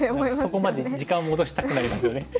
そこまで時間を戻したくなりますよね。